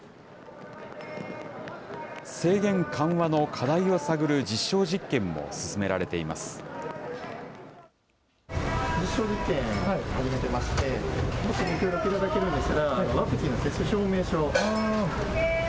制限緩和の課題を探る実証実験も進められています。